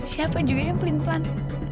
siapa juga yang pelin pelan